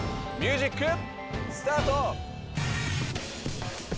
ミュージックスタート！